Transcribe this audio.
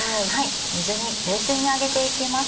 冷水に上げて行きます。